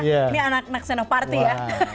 ini anak anak senoparty ya